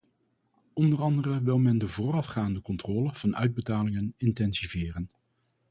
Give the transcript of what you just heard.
O.a. wil men de voorafgaande controle van uitbetalingen intensiveren.